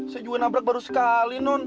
saya juga nabrak baru sekali non